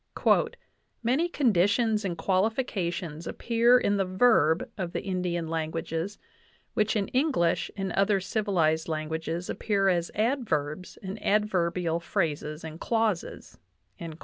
"Many conditions and qualifications appear in the verb [of the Indian languages] which in English and other civilized languages appear as adverbs and adverbial phrases and clauses."